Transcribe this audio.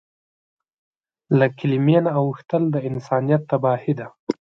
له کلیمې نه اوښتل د انسانیت تباهي ده.